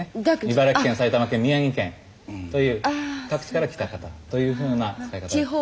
茨城県埼玉県宮城県という各地から来た方というふうな使い方。